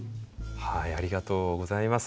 ありがとうございます。